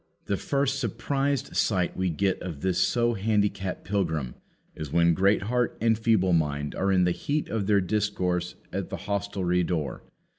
The first surprised sight we get of this so handicapped pilgrim is when Greatheart and Feeble mind are in the heat of their discourse at the hostelry door.